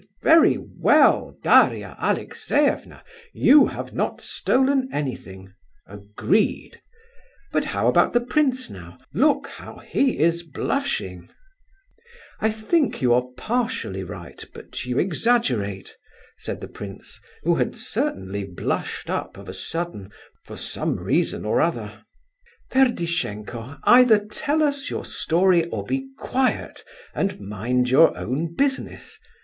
"H'm! very well, Daria Alexeyevna; you have not stolen anything—agreed. But how about the prince, now—look how he is blushing!" "I think you are partially right, but you exaggerate," said the prince, who had certainly blushed up, of a sudden, for some reason or other. "Ferdishenko—either tell us your story, or be quiet, and mind your own business.